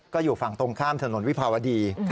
ก็อยู่ฝั่งตรงข้ามถนนวิภาวดี